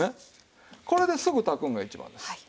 これですぐ炊くんが一番です。